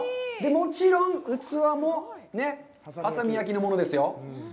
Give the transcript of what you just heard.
もちろん器も、波佐見焼のものですよ。